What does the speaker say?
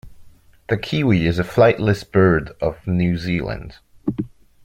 The kiwi is a flightless bird of New Zealand.